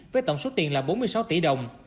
với tổng số tiền là bốn mươi sáu tỷ đồng